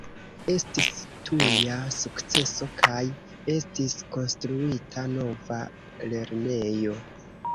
Estis tuja sukceso kaj estis konstruita nova lernejo.